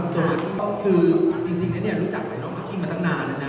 จริงเนี่ยรู้จักไอ้น้องมากี้มาตั้งนานแล้วนะ